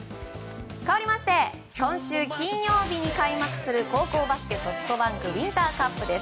かわりまして今週金曜日に開幕する高校バスケＳｏｆｔＢａｎｋウインターカップです。